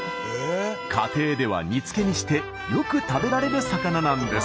家庭では煮付けにしてよく食べられる魚なんです。